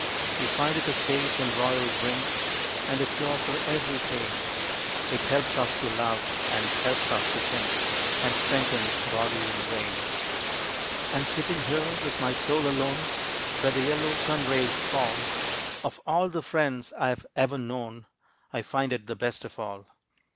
We find it a safe and royal drink, And a cure for every pain; It helps us to love, and helps us to think, And strengthens body and brain. And sitting here, with my Soul alone, Where the yellow sun rays fall, Of all the friends I have ever known I find it the best of all.